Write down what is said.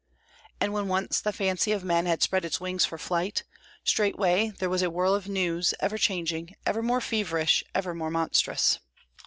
And when once the fancy of men had spread its wings for flight, straightway there was a whirl of news, ever changing, ever more feverish, ever more monstrous.